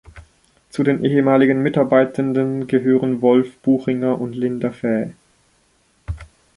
Zu den ehemaligen Mitarbeitenden gehören Wolf Buchinger und Linda Fäh.